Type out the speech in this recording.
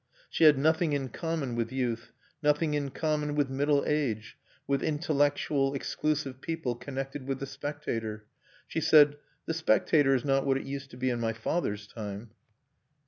She had nothing in common with youth, nothing in common with middle age, with intellectual, exclusive people connected with The Spectator. She said, "The Spectator is not what it used to be in my father's time."